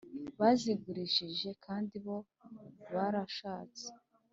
Bazigurishije kandi bo barashatse